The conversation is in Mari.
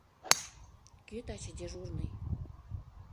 — Кӧ таче дежурный?